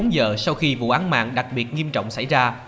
hai mươi bốn giờ sau khi vụ án mạng đặc biệt nghiêm trọng xảy ra